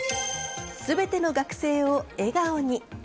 全ての学生を笑顔に。